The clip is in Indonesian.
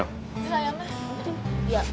boleh ya pak